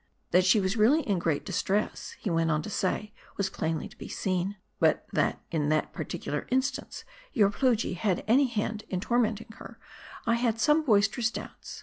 " That she was really in great distress," he went on to say, "was plainly to be seen ; but that in that particular 306 M A R D I. instance, .your Plujii had any hand in tormenting her, I had some boisterous doubts.